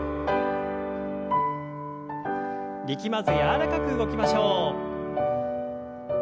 力まず柔らかく動きましょう。